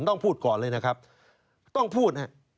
ต้องพูดก่อนเลยนะครับต้องพูดฮะ